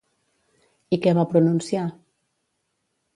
I què va pronunciar?